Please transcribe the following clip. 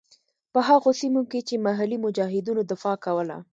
په هغو سیمو کې چې محلي مجاهدینو دفاع کوله.